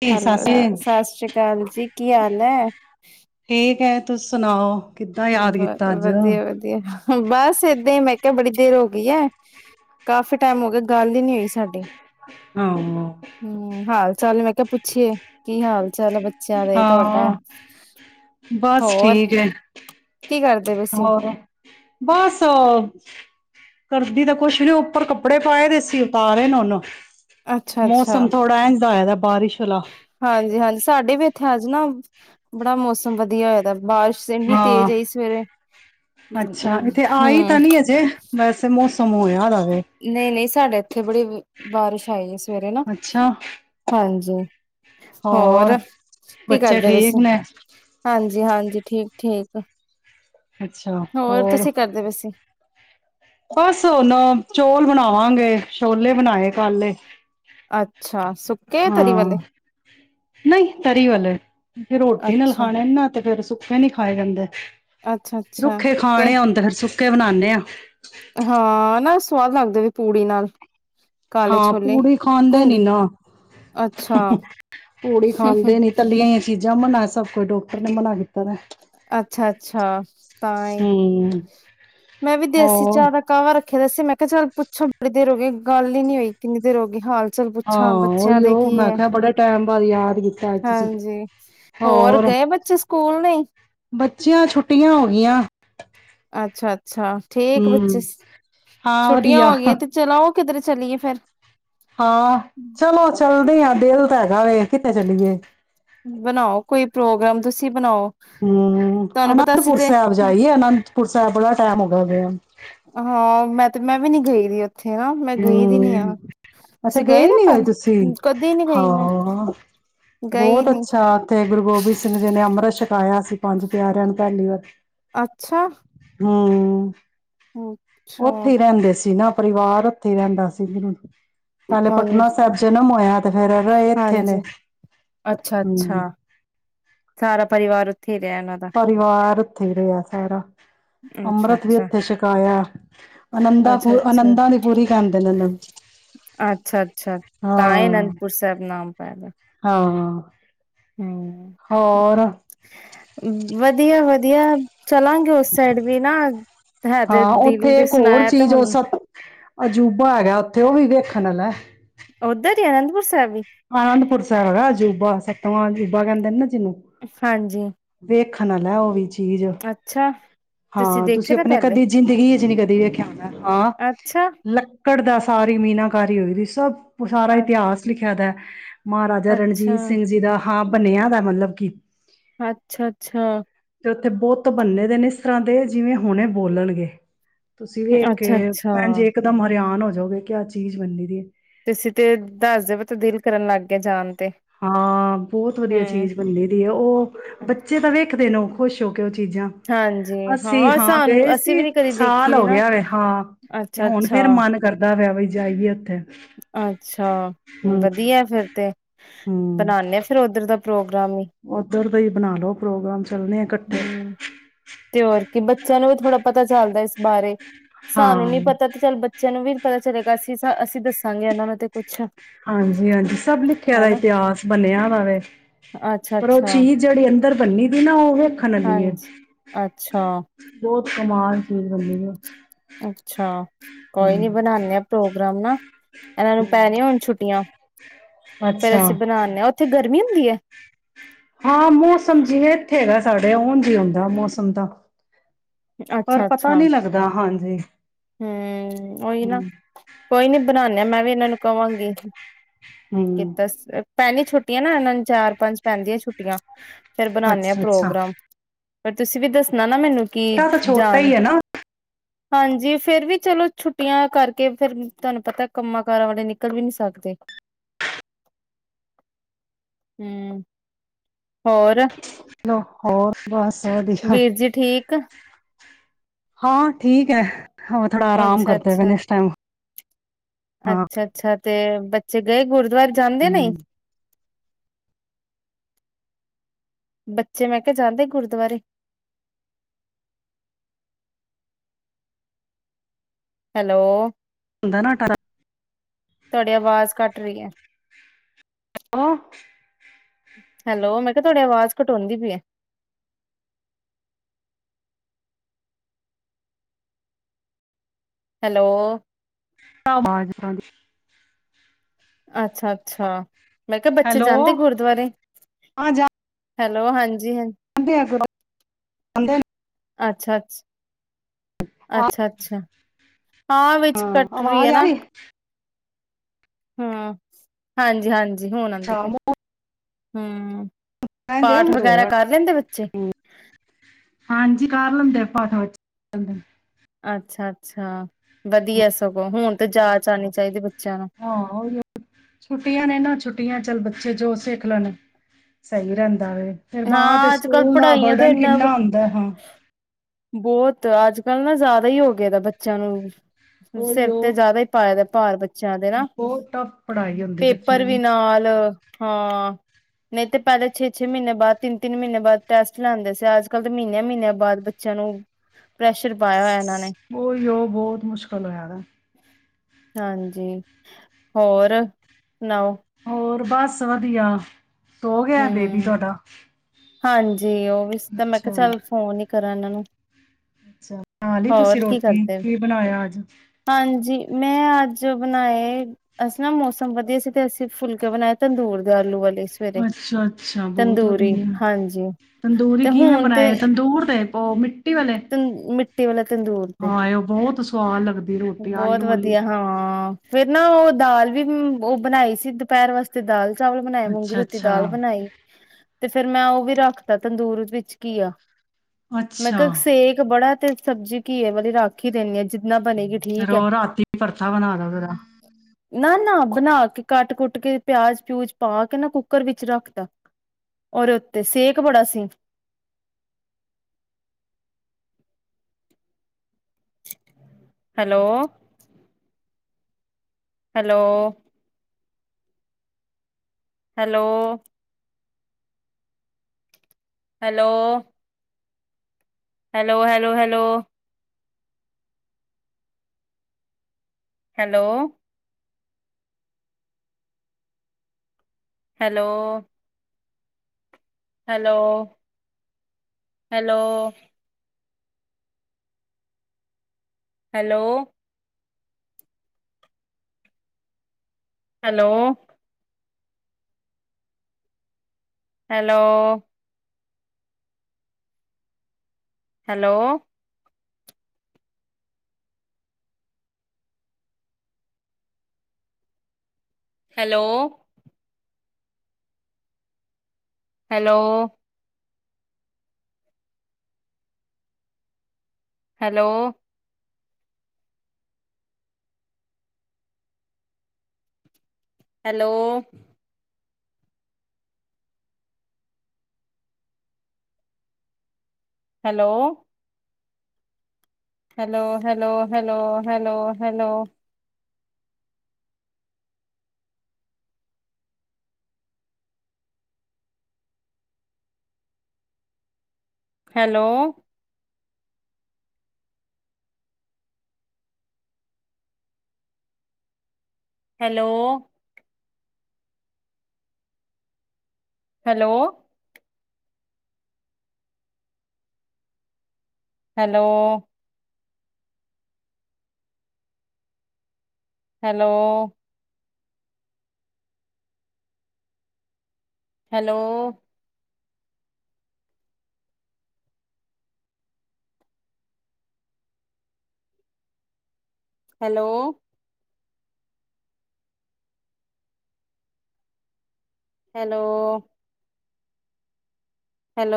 ਤੇ ਹੈਲੋ, ਸੱਸ ਸਤਿ ਸ੍ਰੀ ਅਕਾਲ ਜੀ, ਕੀ ਹਾਲ ਹੈ। ਠੀਕ ਹੈ ਤੁਸੀਂ ਸੁਣਾਓ। ਕਿੱਦਾਂ ਯਾਦ ਬਸ ਕੀਤਾ ਅੱਜ ਵਧੀਆ ਵਧੀਆ। ਕਹਿ ਬੜੀ ਦੇਰ ਹੋ ਗਈ ਹੈ, ਕਾਫੀ ਟਾਈਮ ਹੋ ਗਿਆ ਗੱਲ ਹੀ ਨੀ ਹੋਈ ਸਾਡੀ। ਆਹ, ਚੱਲ ਮੈਂ ਕਿਹਾ ਪੁੱ ਅੱਛਿਆ, ਕੀ ਹਾਲ ਚਾਲ ਬੱਚਿਆਂ ਦੇ ਤੁਹਾਡਾ, ਹਾਂ ਬਸ ਹੋਰ ਠੀਕ ਹੈ ਕੀ ਕਰਦੇ ਪਏ ਸੀ। ਹੋਰ ਬਸ, ਕਰਦੀ ਤਾਂ ਕੁਛ ਨੀ ਉੱਪਰ ਕੱਪੜੇ ਪਾਏ ਦੇ ਸੀ ਉਤਾਰੇ ਨੇ ਉਹਨੂੰ, ਮੌਸਮ ਥੋੜਾ ਐਦਾ ਇਹਦਾ, ਪਾਰਿਸ਼, ਹਾਂਜੀ-ਹਾਂਜੀ ਸਾਡੇ ਵੀ, ਇੱਥੇ ਅੱਜ ਨਾ, ਬੜਾ ਮੌਸਮ ਵਧੀਆ ਹੋਇਆ ਬਾਰਿਸ਼ ਇੰਨੀ ਹਾਂ, ਤੇਜ਼ ਆਈ ਸਵੇਰੇ ਅੱਛਾ ਇੱਥੇ ਆਈ ਹਮ ਤਾਂ ਨਹੀਂ ਅਜੇ ਵੈਸੇ ਬ [unintelligible] ਨਹੀਂ ਨਹੀਂ ਸਾਡੇ ਉੱਥੇ ਬੜੀ ਬਾਰਿਸ਼ ਆਈ ਸਵੇਰੇ ਨਾ, ਅੱਛਾ ਹਾਂਜੀ [unintelligible] ਹੋਰ, ਬੱਚੇ ਠੀਕ ਨੇ। ਜੀ, ਹਾਂਜੀ ਠੀਕ ਠੀਕ ਹੋਰ ਤੁਸੀਂ ਕਰਦੇ [unintelligible] ਬਸ ਹੁਣ ਚੋਲ ਬਣਾਵਾਂਗੇ, ਛੋਲੇ ਬਣਾਏ ਕੱਲ ਅੱਛਾ। ਸੁੱਕੇ ਤਰੀ ਹਾਂ, ਵਾਲੇ ਨਹੀਂ ਤਰੀ ਵਾਲੇ ਫਿਰ ਰੋਟੀ ਨਾਲ ਅੱਛਾ ਖਾਣੇ ਨਾ ਤੇ ਫੇਰ ਸੁ ਐ ਨੀ ਖਾਏ ਜਾਂਦੇ। ਅੱਛਾ ਅੱਛਾ ਰੁੱਖੇ ਤੇ ਖਾਣੇ ਆਉਂਦੇ ਫਿਰ ਸੁ [unintelligible] ਬਣਾਉਦੇ ਆਾਂ ਹਾਂ, ਨਾ ਸਵਾਦ ਲੱਗਦਾ ਵੀ ਪੂੜੀ ਨਾਲ ਕਾਲੇ ਹਾਂ ਛੋਲੇ ਪੂੜੀ ਖਾਂਦਾ ਘੁੰਗ ਨੀ ਨਾ, ਅੱਛਾ ਪੂੜੀ ਖਾਂਦੇ ਨੀ ਤੱਲੀਆਂ ਦੀਆਂ ਚੀਜ਼ਾਂ ਮਨਾ ਸਭ ਕੁਝ ਡਾਕਟਰ ਨੇ ਮਨਾ ਕੀਤਾ ਨਾ। ਅੱਛਾ ਅੱਛਾ ਤਾਂ ਹੀ ਹੂੰ ਮੈਂ ਵੀ ਦੇਸੀ ਹੋਰ ਚਾਹ ਦਾ ਕਾਹਵਾ ਰੱਖ ਆਖਿਆ ਦੱਸਸੀ ਮੈਂ ਕਿਹਾ ਚੱਲ ਪੁੱਛੋ ਬੜੀ ਦੇਰ ਹੋ ਗਈ ਗੱਲ ਹੀ ਨੀ ਹੋਈ ਕਿੰਨੀ ਦੇਰ ਹੋ ਗਈ ਹਾਲ ਚਾਲ ਹਾਂ ਪੁੱਛਾਂ ਬੱਚਿਆਂ ਉਹੀ ਦੇ ਉਹ ਕੀ ਮੈਂ ਹੈ ਕਿਹਾਿਆ ਬੜੇ ਟੈਮ ਪਾ ਯਾਰ ਹਾਂਜੀ ਹੋਰ ਗਏ ਬੱਚੇ ਸਕੂਲ ਨੀ ਬੱਚੀਆਂ ਛੁੱਟੀਆਂ ਹੋ ਗਈਆਂ ਅੱਛਾ ਅੱਛਾ ਠੀਕ ਬੱਚੇ ਹੂੰ ਸ ਹਾਂ ਛੁੱਟੀਆਂ ਵਧੀਆ ਹੋ ਗਈਆਂ ਤੇ ਚਲੋ ਕਿਧਰੇ ਚਲੀਏ ਫੇਿਰ ਹਾਂ ਚਲੋ ਚੱਲਦੇ ਹਾਂ ਦਿਲ ਹੈਗਾ ਵੇ ਕਿਥੇ ਚੱਲੀਏ ਬਣਾਓ ਕੋਈ ਪ੍ਰੋਗਰਾਮ ਤੁਸੀਂ ਬਣਾਓ ਹਮ ਤੁਹਾਨੂੰ ਪਤਾ ਅਸੀਂ ਅਨੰਦਪੁਰ ਤੇ ਸਾਹਿਬ ਜਾਈਏ ਅਨੰਦਪੁਰ ਸਾਹਿਬ ਬੜਾ ਟਾਈਮ ਹੋਗਾ ਹਾਂ ਮੈਂ ਤੇ ਮੈਂ ਵੀ ਨੀ ਗਈ ਵੀ ਉੱਥੇ ਨਾ ਮੈਂ ਗਈ ਦੀ ਨੀ ਆ ਹਮ ਅੱਛਾ ਤੁਸੀਂ ਗਏ ਨਾ ਨੀ ਹੋਏ ਕੱਲ ਤੁਸੀਂ ਕਦੇ ਨੀ ਗਈ ਮੈਂ ਹਾਂ ਗਈ ਬਹੁਤ ਨੀ ਅੱਛਾ ਉੱਥੇ ਗੁਰੂ ਗੋਬਿੰਦ ਸਿੰਘ ਜੀ ਨੇ ਅੰਮ੍ਰਿਤ ਛਕਾਇਆ ਪੰਜ ਪਿਆਰਿਆਂ ਨੂੰ ਪਹਿਲੀ ਵ ਅੱਛਾ ਹਾਂ ਅੱਛਾ ਉੱਥੇ ਹੀ ਰਹਿੰਦੇ ਸੀ ਨਾ ਪਰਿਵਾਰ ਉੱਥੇ ਰਹਿੰਦਾ ਸੀ ਨਾ ਫੇਰ ਰਹੇ ਇੱਥੇ ਨੇ ਹਾਂਜੀ ਅੱਛਾ ਹਮ ਅੱਛਾ ਸਾਰਾ ਪਰਿਵਾਰ ਉੱਥੇ ਹੀ ਰਹਿਣਾ ਪਰਿਵਾਰ ਪਰ ਉੱਥੇ ਹੀ ਰਿਆ ਸਾਰਾ ਅੱਛਾ ਅੰਮ੍ਰਿਤ ਵੀ ਅੱਛਾ ਉੱਥੇ ਛਕਾਇਆ ਅਨੰਦਾਂ ਅੱਛਾ ਪੁਰ ਅੱਛਾ ਅਨੰਦਾਂ ਦੀ ਪੂਰੀ ਕਰਦੇ ਨੇ ਨੂੰ ਅੱਛਾ ਅੱਛਾ ਤਾਂ ਹੀ ਹਾਂ ਅਨੰਦਪੁਰ ਸਾਹਿਬ ਨਾਮ ਪੈਦਾ ਹਾਂ ਹ ਹਮ ਹੋਰ ਵਧੀਆ ਵਧੀਆ ਚਲਾਂਗੇ ਉਸ ਸਾਈਡ ਵੀ ਨਾ ਹੈ ਤੇ ਹਾਂ ਦਿਲ ਉੱਥੇ ਦੀ ਇੱਕ ਹੋਰ ਸੁਣਾਇਆ ਤੇ ਚੀਜ਼ ਉਹ ਹੁਣ ਸਬ ਅਜੂਬਾ ਹੈਗਾ ਉੱਥੇ ਉਹ ਵੀ ਵੇਖਣ ਵਾਲਾ ਉੱਧਰ ਹੀ ਅਨੰਦਪੁਰ ਸਾਹਿਬ ਵੀ ਅਨੰਦਪੁਰ ਸਾਰਾ ਅਜੂਬਾ ਸੱਤਵਾਂ ਅਜੂਬਾ ਕਹਿੰਦੇ ਨਾ ਜਿਹਨੂੰ ਹਾਂਜੀ, ਵੇਖਣ ਆਲੈ ਉਹ ਵੀ ਚੀਜ਼ ਅੱਛਾ ਹਾਂ ਦੇਖੇ ਤੁਸੀਂ ਤਾਂ ਆਪਣੇ ਪਹਿਲੇ ਕਦੇ ਜ਼ਿੰਦਗੀ ਚ ਨੀ ਕਦੇ ਵੇਖਿਆ ਹੋਣਾ ਹਾਂ ਅੱਛਾ ਲ ਘਟਦਾ ਸਾਰੀ ਮੀਨਾਕਾਰੀ ਹੋਈ ਰਹੀ ਸਭ ਉਹ ਸਾਰਾ ਅ ਇਤਿਹਾਸ ਲਿਖਿਆ ਦਾ ਹ ਮਹਾਰਾਜਾ ਅੱਛਾ ਰਣਜੀਤ ਸਿੰਘ ਜੀ ਦਾ ਹਾਂ, ਬਨਿਆ ਦਾ ਮਤਲਬ ਕਿ ਅੱਛਾ, ਅੱਛਾ ਬਹੁਤ ਬੰਨੇ ਦੇ ਨੇ ਇਸ ਤਰ੍ਹਾਂ ਦੇ ਜਿਵੇਂ ਹੁਣੇ ਬੋਲਣਗੇ ਤੁਸੀਂ ਵੇਖ ਕੇ ਅੱਛਾ ਅੱਛਾ ਭੈਣ ਜੇ ਇੱਕ ਦਮ ਹਰਿਆਨ ਹੋਏ। ਜੋ ਕਿ ਆਹ ਚੀਜ਼ ਮੰਨੀ ਦੀ ਹੈ। ਤੁਸੀਂ ਤੇ ਦੱਸਦੇ ਪ ਤਾਂ ਦਿਲ ਕਰਨ ਲੱਗ ਗਿਆ ਜਾਣ ਤੇ ਹਾਂ, ਬਹੁਤ ਵਧੀਆ ਚੀਜ਼ ਹੂੰ ਬੰਨੀ ਦੀ ਹੈ, ਉਹ ਬੱਚੇ ਤਾਂ ਵੇਖਦੇ ਨੇ ਉਹ ਖੁਸ਼ ਹੋ। ਉਹ ਚੀਜ਼ਾਂ ਹਾਂਜੀ ਅਸੀ ਹਾਂ ਸਾਨੂੰ ਗਏ ਅਸੀਂ ਵੀ ਸੀ, ਨੀ ਕਦੀ ਦੇਖੀ ਸਾਲ ਦੀ ਹੋ ਨਾ ਗਿਆ ਵਾ ਹਾਂ ਤੇ ਅੱਛਾ ਹੁਣ ਅੱਛਾ ਫੇਰ ਮਨ ਕਰਦਾ ਵਾ ਵੀ ਜਾਈਏ ਉੱਥੇ ਅੱਛਾ, ਹਮ ਵਧੀਆ ਫਿਰ ਤੇ ਬਣਾਣੇ ਹਾਂ ਫੇਰ ਉੱਧਰ ਦਾ ਪ੍ਰੋਗ ਓਧਰ ਤੋਂ ਹੀ ਬਣਾ ਲੋੋ ਪ੍ਰੋਗਰਾਮ ਚੱਲਣੇ ਆ ਇਕੱਠੇ ਹੂੰ ਤੇ ਹੋਰ ਕੀ ਬੱਚਿਆਂ ਨੂੰ ਵੀ ਥੋੜ੍ਹਾ ਪਤਾ ਚੱਲਦਾ ਇਸ ਬਾਰੇ। ਹਾਂ ਸਾਨੂੰ ਨੀ ਪਤਾ ਤੇ ਚੱਲ ਬੱਚਿਆਂ ਨੂੰ ਵੀ ਪਤਾ ਚਲੇਗਾ ਸੀ ਅਸੀ ਕੀ ਦਸ ਸੰਗ ਜਾਂਦਾ ਮੈਂ ਤੇ ਕੁੱਛ ਹਾਂਜੀ-ਹਾਂਜੀ ਸਭ ਲਿਖਿਆ ਦਾ ਇਤਿਹਾਸ ਬਣਿਆ ਵਾ ਵ ਪਰ ਉਹ ਅੱਛਾ-ਅੱਛਾ ਚੀਜ਼ ਜਿਹੜੀ ਓਧਰ ਬੰਨੀ ਦੀ ਨਾ ਉਹ ਵੇਖਣ ਵਾਲੀ ਹੈ ਹਾਂਜੀ ਅੱਛਾ-ਅੱਛਾ। ਜੋ ਕਮਾਲ ਖੀਰ ਬਨਦੀ ਐ। ਅੱਛਾ, ਕੋਈ ਨੀ ਬਣਾਣੇ ਆ ਪ੍ਰੋਗਰਾਮ ਨਾ ਇਹਨਾਂ ਨੂੰ ਪੈਣ ਹੁਣ ਛੁੱਟੀਆਂ ਫੇਰ ਅੱਛਾ ਅਸੀਂ ਬਣਾਣੇ ਹਾਂ, ਉੱਥੇ ਗਰਮੀ ਹੁੰਦੀ ਹੈ। ਹਾਂ ਮੂੰਹ ਸਮਝਵੇ ਥੇਗਾ। ਸੜਿਆ ਉਂਜ ਈ ਆਉਂਦਾ ਮੌਸਮ ਦਾ ਪਰ ਪਤਾ ਨਹੀ ਲੱਗਦਾ ਹਾਂਜੀ- ਜੀ ਹੂ ਔਹੀ ਨਾ, ਕੋਈ ਨੀ ਬਣਾਉਾਨਨੇ ਆਂ, ਮੈਂ ਵੀ ਇਹਨਾਂ ਨੂੰ ਕਹਾਂਗੀ ਹੂੰ ਕਿਤਾ ਸਿਰ੍ਫ ਪੈਂਦੀ ਛੁੱਟੀਆਂ ਨਾ ਇਹਨਾਂ ਨੂੰ ਚਾਰ ਪੰਜ ਪੈਂਦੀਆਂ ਛੁੱਟੀਆਂ ਫੇਰ ਬਣਾਣੇ ਆ ਅੱਛਾ ਅੱਛਾ ਪ੍ਰੋਗਰਾਮ ਪਰ ਤੁਸੀਂ ਵੀ ਦੱਸਣਾ ਨਾ ਮੈਨੂੰ ਕੀ ਬੇਟਾ ਤਾਂ ਛੋਟਾ ਜਾਣ ਹੀ ਹੈ ਨਾ ਹਾਂਜੀ ਫਿਰ ਵੀ ਚਲੋ ਛੁੱਟੀਆਂ ਕਰਕੇ, ਫਿਰ ਤੁਹਾਨੂੰ ਪਤਾ ਕੰਮਾਂ ਕਾਰਾਂ ਵਾਲੇ ਨਿਕਲ ਵੀ ਨੀ ਸਕਦੇ, ਹੋਰ ਲੋ ਹੋਰ ਬਸ ਵਧੀਆ ਵੀਰ ਜੀ ਠੀਕ ਹਾਂ ਠੀਕ ਹੈ, ਹੂਣ ਥੋੜਾ ਆਰਾਮ ਕਰਦੇ ਪਏ ਨੇੈ ਇਸ ਟਾਈਮ ਹਾਂ ਅੱਛਾ ਅੱਛਾ ਤੇ ਬੱਚੇ ਗਏ ਗੁਰ ਵਾਰ ਜਾਂਦੇ ਨਹੀਂ ਹੂੰ ਬੱਚੇ ਮੈਂ ਕਿਹਾ ਜਾਂਦੇ ਗੁਰਦੁਆਰੇ ਹੈਲੋ ਹੁੰਦਾ ਨਾ ਅਠਾਰਹ ਤੁਹਾਡੀ ਆਵਾਜ਼ ਕਟ ਰਹੀ ਹੈ ਹੈਲੋ ਹੈਲੋ ਮੈਂ ਕਿਹਾ ਤੁਹਾਡੀ ਆਵਾਜ਼ ਕਟਉਦੀ ਪਈ ਹੈ ਹੈਲੋ ਆਵਾਜ਼ ਤੁਹਾਡੀ ਅੱਛਾ ਅੱਛਾ ਮੈਂ ਕਿਹਾ ਬੱਚੇ ਹੈਲੋ ਜਾਂਦੇ ਗੁਰਦੁਆਰੇ ਹੈਲੋ ਹਾਂਜੀ ਹਾਂਜੀ ਆਣ ਦੇਯਾ ਕਰੋ, ਆਂਦੇ ਨ ਅੱਛਾ ਅੱਛਾ ਅੱਛਾ ਅੱਛਾ ਹਾਂ ਵਿੱਚ ਕੱਟ ਰੀ ਹੈ ਆਵਾਜ਼ ਆ ਨਾ ਰਹੀ ਹੂ ਹਾਂਜੀ ਹਾਂਜੀ ਹੁਣ ਆਂਦੀ ਅੱਛਾ ਪਈ ਹੈ ਹੂ ਪਾਠ ਵਗੈਰਾ ਕਰ ਲੈਂਦੇ ਬੱਚੇ ਹਾਂਜੀ ਕਰ ਲੈਂਦੇ ਪਾਠ ਬੱਚੇ ਅੱਛਾ ਅੱਛਾ ਵਧੀਆ ਸਗੋਂ ਹੁਣ ਤੇ ਜਾਚ ਆਨੀ ਚਾਹੀਦੀ ਬੱਚਿਆਂ ਨੂੰ ਉਹੀ ਛੁੱਟੀਆਂ ਨੇ ਨਾ ਛੁੱਟੀਆਂ ਚੱਲ ਬੱਚੇ ਜੋ ਸਿੱਖ ਲੈਣ ਸਹੀ ਰਹਿੰਦੇ ਫਿਰ ਬਾਅਦ ਚ ਹਾਂ ਅੱਜ ਕੱਲ੍ਹ ਸਕੂਲ ਦਾ ਪੜ੍ਹਾਈਆਂ ਬਰਡਨ ਇੰਨਾ ਕਿੰਨਾ ਹੁੰਦਾ ਹਾਂ ਬਹੁਤ ਅੱਜ ਕੱਲ ਨਾ ਜ਼ਿਆਦਾ ਹੀ ਹੋ ਗਏ ਦਾ ਬੱਚਿਆਂ ਨੂੰ ਉਹੀ ਸਿਰ ਤੇ ਉਹ ਜ਼ਿਆਦਾ ਹੀ ਪਾਏ ਦਾ ਭਾਰ ਬੱਚਾ ਬੱਚਿਆਂ ਦੇ ਨਾ ਬਹੁਤ ਟਫ ਪੜ੍ਹਾਈ ਹੁੰਦੀ ਪੇਪਰ ਬੱਚਿਆਂ ਵੀ ਦੀ ਨਾਲ ਹਾਂ ਨਹੀਂ ਤੇ ਪਹਿਲੇ ਛੇ ਛੇ ਮਹੀਨੇ ਬਾਅਦ ਤਿੰਨ ਤਿੰਨ ਮਹੀਨੇ ਬਾਅਦ ਟੈਸਟ ਲਾਦੇ ਸੀ ਅੱਜ ਕੱਲ ਦੇ ਮਹੀਨਿਆਂ ਮਹੀਨਿਆਂ ਬਾਅਦ ਬੱਚਿਆਂ ਨੂੰ ਪ੍ਰੈਸ਼ਰ ਪਾਇਆ ਹੋਇਆ ਇੰਨਾ ਨੇ ੳਹੀੳ ਉਹ ਬਹੁਤ ਮੁਸ਼ਕਿਲ ਹੋਇਆਦਾ ਹਾਂਜੀ ਹੋਰ ਸੁਣਾਓ ਹੋਰ ਬਸ ਵਧੀਆ ਸੋ ਗਿਆ ਬੇਬੀ ਹੂੰ ਤੁਹਾਡਾ ਹਾਂਜੀ ਜੀ ਉਹ ਵੀ ਸੀ ਤਾਂ ਮੈਂ ਅੱਛਾ ਕਿਹਾ ਚੱਲ ਫੋਨ ਹੀ ਕਰਾਂ ਇਹਨਾਂ ਨੂੰ ਅੱਛਾ ਬਨਾ ਲਈ ਹੋਰ ਤੁਸੀਂ ਕੀ ਰੋਟੀ, ਕਰਦੇ? ਕੀ ਬਣਾਇਆ ਅੱਜ? ਹਾਂਜੀ, ਮੈਂ ਅੱਜ ਬਨਾਏ, ਅਜ ਨਾ ਮੌਸਮ ਵਧੀਆ ਸੀ ਤੇ ਅਸੀਂ ਫੁਲਕੇ ਬਨਾਏ ਤੰਦੂਰ ਦੇ ਆਲੂ ਵਾਲ ਈ ਸਵਰੇ। ਛਾ- ਅੱਛਾ ਬਹੁਤ ਵਧੀਆ ਤੰਦੂਰੀ ਤੇ ਕਿਵੇਂ ਹੁਣ ਤੇ ਬਨਾਏ ਤੰਦੂਰ ਤੇ? ਔ ਮਿੱਟੀ ਵਾਲੇ ਤ ਮਿੱਟੀ ਵਾਲਾ ਤੰਦੂਰ ਤੇ। ਹਾਏ ਔ ਬੌਤ ਸੁਆਦ ਲੱਗਦੀ ਰੋਟੀ ਬਹੁਤ ਆਲੂ ਵਾਲੀ। ਵਧੀਆ ਹਾਂ ਫੇਰ ਨਾ ਔ ਦਾਲ ਵੀ ਹੁੰ ਬਨਾਈ ਸੀ ਦੁਪੇਰ ਵਾਸਤੇ ਦਾਲ। ਚਾਵਲ ਬਨਾਏ ਮੂੰਗੀ ਅੱਛਾ ਤੌਤੀ ਅੱਛਾ ਦਾਲ ਬਨਾਈ। ਤੇ ਫੇਰ ਮੈਂ ਔ ਵੀ ਰਾਖਤਾ ਤੰਦੂਰ ਵਿੱਚ ਘੀਆ। ਮੈਂ ਅੱਛਾ, ਕਾਕ ਸੇਕ ਬੜੈ। ਤੇ ਸਬਜੀ ਘੀਏ ਵਾਲੀ ਰੱਖ ਈ ਦੇਨੀ ਆਂ ਜਿਨਾਂ ਰੌ ਰਾਤੀ ਪਰਥਾ ਬਨਾਦਾ ਕਰਾਂ ਨਾ-ਨਾ ਬਨਾ ਕੇ ਕੱਟ ਕੁੱਟ ਕੇ ਪਿਆਜ਼ ਪਿਊਜ਼ ਪਾ ਕੇ ਨਾ ਕੁੱਕਰ ਵਿੱਚ ਰੱਖਤਾ ਔਰੋੋ ਉੱਤੇ ਸੇਕ ਬੜਾ ਸੀ। Hello. Hello. Hello. Hello. Hello hello hello. Hello. Hello. Hello, hello. Hello! Hello. Hello. Hello. Hello. Hello. Hello. Hello. Hello. Hello hello hello hello hello. Hello. Hello. Hello. Hello. Hello. Hello. Hello. Hello. Hello.